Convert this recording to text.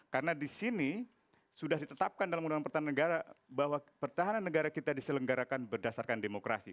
karena di sini sudah ditetapkan dalam undang undang pertahanan negara bahwa pertahanan negara kita diselenggarakan berdasarkan demokrasi